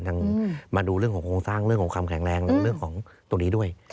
มาดูเรื่องของโครงสร้างเรื่องของความแข็งแรงเรื่องของตรงนี้ด้วย